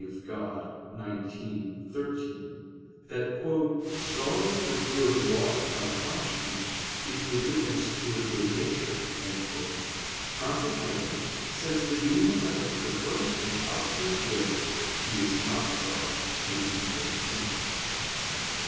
Dei xix, 13), that "sorrow for good lost by punishment, is the witness to a good nature." Consequently, since the demon has a perverse and obstinate will, he is not sorry for the evil of sin.